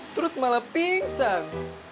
terus malah pinsan